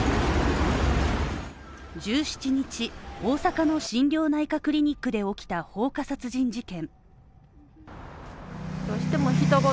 １７日、大阪の心療内科クリニックで起きた放火殺人事件。